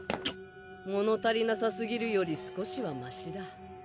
物足りなさすぎるより少しはマシだ。